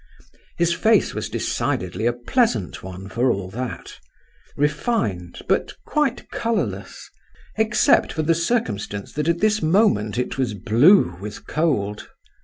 His face was decidedly a pleasant one for all that; refined, but quite colourless, except for the circumstance that at this moment it was blue with cold.